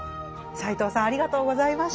斎藤さんありがとうございました。